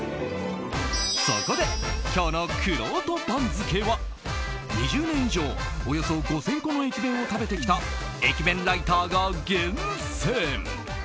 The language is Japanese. そこで、今日のくろうと番付は２０年以上およそ５０００個の駅弁を食べてきた駅弁ライターが厳選。